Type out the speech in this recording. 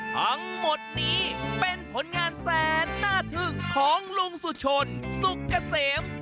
ทั้งหมดนี้เป็นผลงานแสนน่าทึ่งของลุงสุชนสุกเกษม